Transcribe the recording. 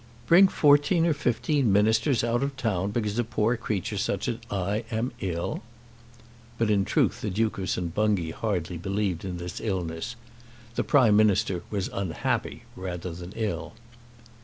"Bring fourteen or fifteen ministers out of town because a poor creature such as I am is ill!" But in truth the Duke of St. Bungay hardly believed in this illness. The Prime Minister was unhappy rather than ill.